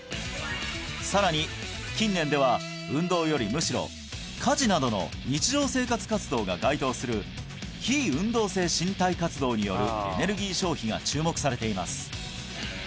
さらに近年では運動よりむしろ家事などの日常生活活動が該当するによるエネルギー消費が注目されています